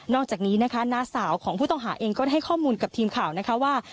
อกจากนี้นะคะน้าสาวของผู้ต้องหาเองก็ให้ข้อมูลกับทีมข่าวนะคะว่า